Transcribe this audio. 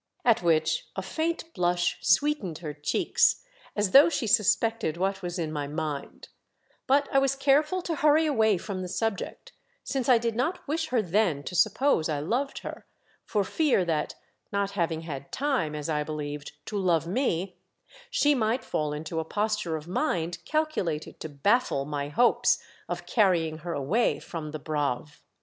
At which a faint blush sweetened her cheeks as though she suspected what was in my mind ; but I was careful to hurry away from the subject, since I did not wish her then to suppose I loved her, for fear that, not having had time, as I believed, to love me, she might fall into a posture of mind calculated to baffle my hopes of carrying her away from the Braave.